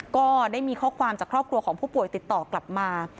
ก็ได้มีข้อความจากครอบครัวของผู้ป่วยติดต่อกลับมา